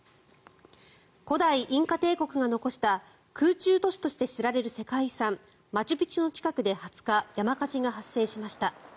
古代インカ帝国が残した空中都市として知られる世界遺産マチュピチュの近くで２０日山火事が発生しました。